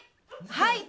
はい！